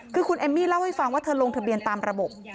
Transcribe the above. คือคุณเอมมี่เล่าให้ฟังว่าเธอลงทะเบียนตามระบบ